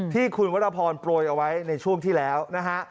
ที่คุณวรพรโปรยเอาไว้ในช่วงที่แล้วนะฮะ